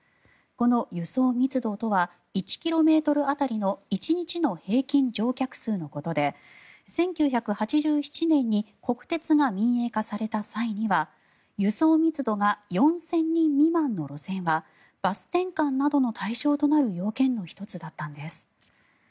この輸送密度とは１ｋｍ当たりの１日の平均乗客数のことで１９８７年に国鉄が民営化された際には輸送密度が４０００人未満の路線はバス転換などの対象となる要件の１つだったんです。